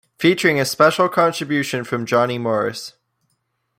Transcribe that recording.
Featuring a special contribution from Johnny Morris.